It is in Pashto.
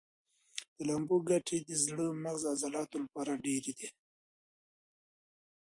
د لامبو ګټې د زړه، مغز او عضلاتو لپاره ډېرې دي.